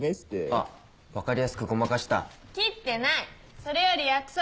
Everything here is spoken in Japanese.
あ分かりやすくごまかした切ってないそれより約束！